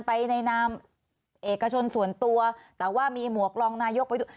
ไปในนามเอกชนส่วนตัวแต่ว่ามีหมวกรองนายกไว้ด้วย